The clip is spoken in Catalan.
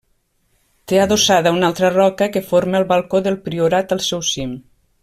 Té adossada una altra roca que forma el Balcó del Priorat al seu cim.